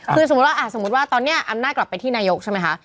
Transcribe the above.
คือสมมุติว่าสมมุติว่าตอนนี้อำนาจกลับไปที่นายกใช่ไหมคะ